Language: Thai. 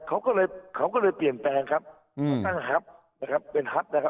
เขาก็เลยเปลี่ยนแปลงครับตั้งฮับนะครับเป็นฮับนะครับ